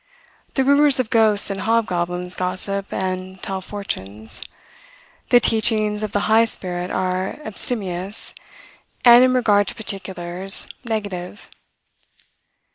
The rumors of ghosts and hobgoblins gossip and tell fortunes. The teachings of the high Spirit are abstemious, and, in regard to particulars, negative.